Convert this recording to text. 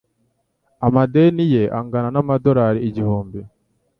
Amadeni ye angana n'amadorari igihumbi.